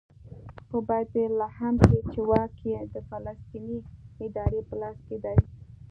په بیت لحم کې چې واک یې د فلسطیني ادارې په لاس کې دی.